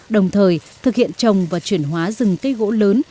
đồng thời thực hiện trồng và chuyển hóa rừng cây gỗ lớn